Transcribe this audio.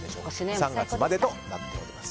３月までとなっております。